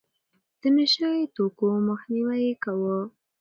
د نشه يي توکو مخنيوی يې کاوه.